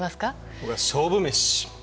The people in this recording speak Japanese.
僕は勝負メシ。